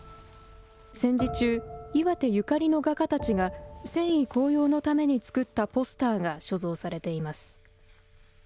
戦時中、岩手ゆかりの画家たちが戦意高揚のために作ったポスターが所蔵されています。